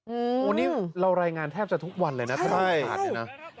อู๋นี่เรารายงานแทบจะทุกวันเลยนะถ้าไม่ขาดเลยนะใช่ใช่